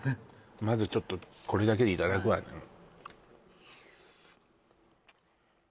まずちょっとこれだけでいただくわね